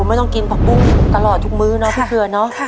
ไม่ต้องกินผักบุ้งตลอดทุกมื้อเนาะทุกเครือเนาะ